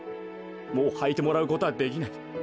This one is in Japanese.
もうはいてもらうことはできない。